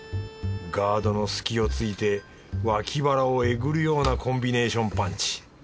ガードの隙をついてわき腹をえぐるようなコンビネーションパンチ。